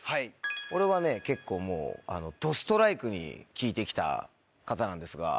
俺は結構もうどストライクに聴いて来た方なんですが。